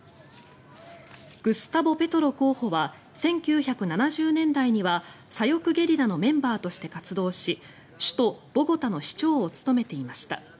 グスタボ・ペトロ候補は１９７０年代には左翼ゲリラのメンバーとして活動し首都ボゴタの市長を務めていました。